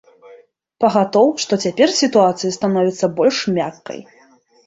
Пагатоў, што цяпер сітуацыя становіцца больш мяккай.